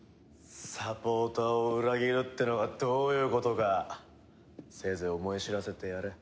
サポーターを裏切るってのがどういうことかせいぜい思い知らせてやれ。